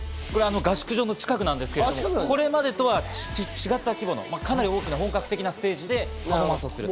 合宿所の近くなんですけれども、これまでとは違った規模のかなり本格的な大きなステージでパフォーマンスする。